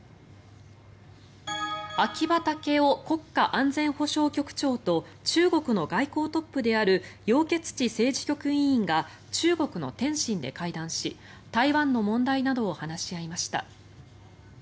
秋葉剛男国家安全保障局長と中国の外交トップであるヨウ・ケツチ政治局委員が中国の天津で会談し台湾の問題などを話し合いました。